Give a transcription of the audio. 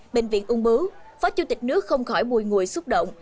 bệnh viện ung bứu phó chủ tịch nước không khỏi mùi ngùi xúc động